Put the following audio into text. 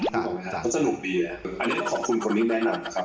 แต่ก็สนุกดีอันนี้ขอบคุณคนที่แนะนำนะครับ